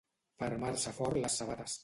Fermar-se fort les sabates.